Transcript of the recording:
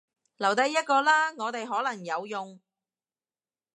留低一個啦，我哋可能有用